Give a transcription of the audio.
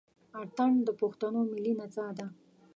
اتڼ د پښتنو ملي نڅا ده.